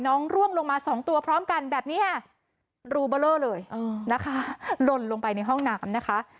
น้องล่วงลงมาสองตัวพร้อมกันแบบเนี้ยรูเบลอเลยเออนะคะล่นลงไปในห้องน้ำนะคะ